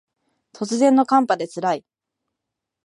突然の寒波で辛い